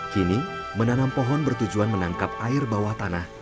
kini menanam pohon bertujuan menangkap air bawah tanah